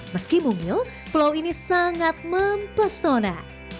meski mungil pulau ini sangat mempesona